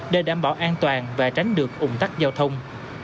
để đảm bảo an toàn và tránh được ủng tắc giao thông